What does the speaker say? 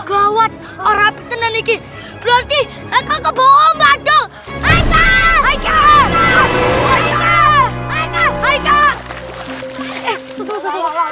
gawat rapi tenenik berarti mereka kebawa mbak dong